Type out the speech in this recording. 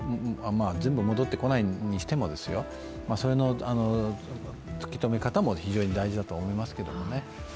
全部戻ってこないにしてもですよ、それの突き止め方も非常に大事だと思いますけどね。